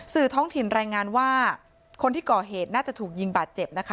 ท้องถิ่นรายงานว่าคนที่ก่อเหตุน่าจะถูกยิงบาดเจ็บนะคะ